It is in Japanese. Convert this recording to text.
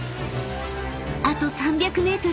［あと３００ｍ。